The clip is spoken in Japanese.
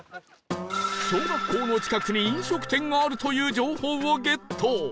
小学校の近くに飲食店があるという情報をゲット